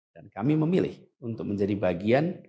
dan kami memilih untuk menjadi bagian